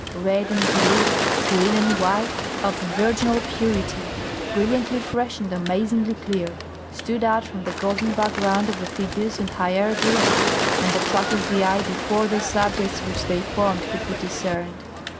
Red and blue, green and white, of virginal purity, brilliantly fresh and amazingly clear, stood out from the golden background of the figures and hieroglyphs, and attracted the eye before the subjects which they formed could be discerned.